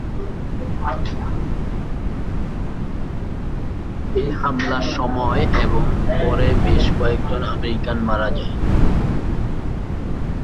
এই হামলার সময় এবং পরে বেশ কয়েকজন আমেরিকান মারা যায়।